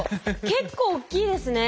結構大きいですね。